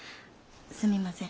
すみません。